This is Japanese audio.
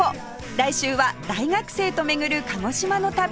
来週は大学生と巡る鹿児島の旅